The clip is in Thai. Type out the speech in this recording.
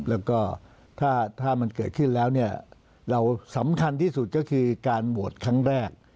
แล้วก็ถ้ามันเกิดขึ้นแล้วเนี่ยเราสำคัญที่สุดก็คือการโหวตครั้งแรก